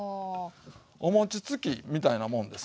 お餅つきみたいなもんです。